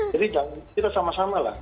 jadi jangan kita sama sama lah